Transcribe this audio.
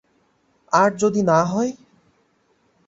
আর যদি না হয়?